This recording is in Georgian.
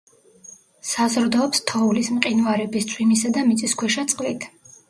საზრდოობს თოვლის, მყინვარების, წვიმისა და მიწისქვეშა წყლით.